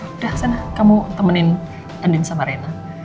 udah sana kamu temenin ending sama rena